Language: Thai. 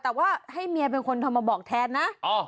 แต่ว่าให้เมียเป็นคนโทรมาบอกแทนนะ